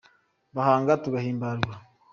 Bahanga tugahimbarwa